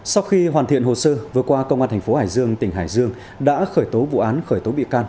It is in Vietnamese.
sau khi hoàn thiện hồ sơ vừa qua công an thành phố hải dương tỉnh hải dương đã khởi tố vụ án khởi tố bị can